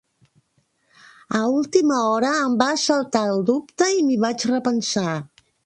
A última hora em va assaltar el dubte i m'hi vaig repensar.